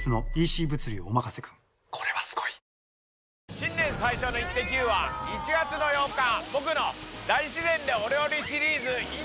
新年最初のイッテＱ！は１月の８日、僕の大自然でお料理シリーズｉｎ